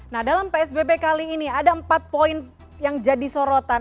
nah dalam psbb kali ini ada empat poin yang jadi sorotan